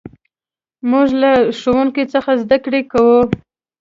موږ له ښوونکي څخه زدهکړه کوو.